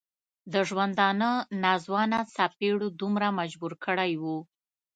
د ژوندانه ناځوانه څپېړو دومره مجبور کړی و.